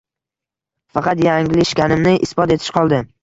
Faqat yanglishganimni isbot etish qoldi